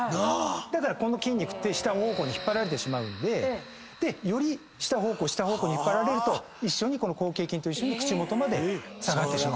だからこの筋肉下方向に引っ張られてしまうんでより下方向に下方向に引っ張られると広頚筋と一緒に口元まで下がってしまう。